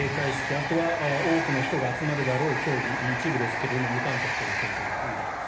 あとは多くの人が集まるであろう競技一部ですが無観客という検討ということです。